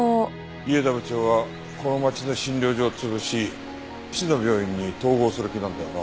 伊江田部長はこの町の診療所を潰し市の病院に統合する気なんだよな。